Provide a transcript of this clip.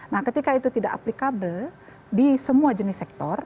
nah ketika itu tidak applikable di semua jenis sektor